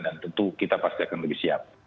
dan tentu kita pasti akan lebih siap